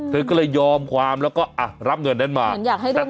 เธอก็เลยยอมความแล้วก็อ่ะรับเงินนั้นมาเหมือนอยากให้เรื่องมันจบ